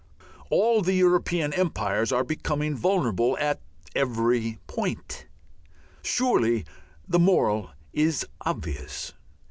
All the European empires are becoming vulnerable at every point. Surely the moral is obvious.